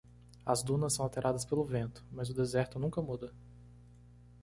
As dunas são alteradas pelo vento?, mas o deserto nunca muda.